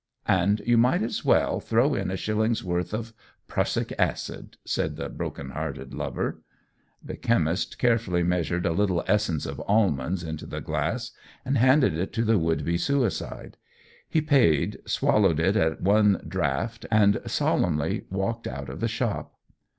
"And you might as well throw in a shilling's worth of prussic acid," said the broken hearted lover. The chemist carefully measured a little essence of almonds into the glass, and handed it to the would be suicide. He paid, swallowed it at one draught, and solemnly walked out of the shop.